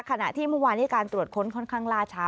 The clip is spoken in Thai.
ขณะที่เมื่อวานนี้การตรวจค้นค่อนข้างล่าช้า